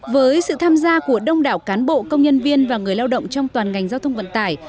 với sự tham gia của đông đảo cán bộ công nhân viên và người lao động trong toàn ngành giao thông vận tải